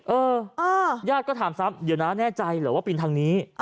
เออญาติก็ถามซ้ำเดี๋ยวนะแน่ใจเหรอว่าปีนทางนี้